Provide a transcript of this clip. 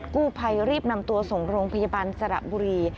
กู้ภัยรีบนำตัวส่งโรงพยาบาลสระบุรี